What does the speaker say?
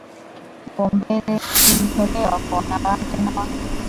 kipaumbele kilitolewa kwa wanawake na watoto